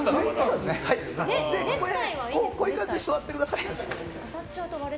こういう感じで座ってください。